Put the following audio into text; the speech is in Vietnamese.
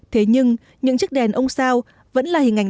thế nhưng những chiếc đèn ông sao vẫn là hình ảnh